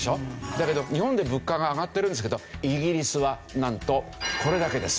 だけど日本で物価が上がってるんですけどイギリスはなんとこれだけです。